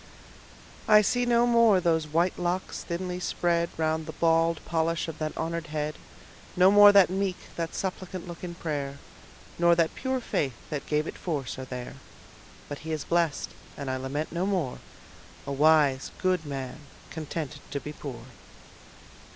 I see no more those white locks thinly spread Round the bald polish of that honored head: No more that meek, that suppliant look in prayer, Nor that pure faith that gave it force, are there: But he is blest, and I lament no more, A wise good man, contented to be poor.